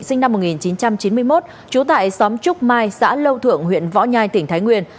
sinh năm một nghìn chín trăm chín mươi một trú tại xóm trúc mai xã lâu thượng huyện võ nhai tỉnh thái nguyên